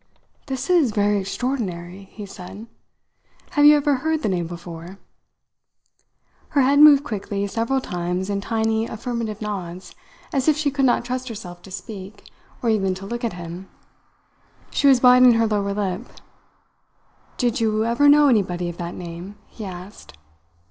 "This is very extraordinary!" he said. "Have you ever heard the name before?" Her head moved quickly several times in tiny affirmative nods, as if she could not trust herself to speak, or even to look at him. She was biting her lower lip. "Did you ever know anybody of that name?" he asked.